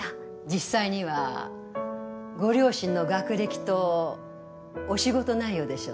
実際にはご両親の学歴とお仕事内容でしょうね。